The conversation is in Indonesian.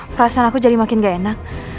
perasaan aku jadi makin gak enak